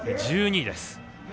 １２位です。